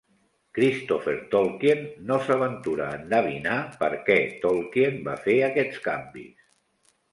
Christopher Tolkien no s'aventura a endevinar per què Tolkien va fer aquests canvis.